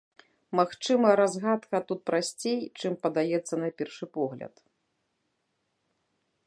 Магчыма, разгадка тут прасцей, чым падаецца на першы погляд.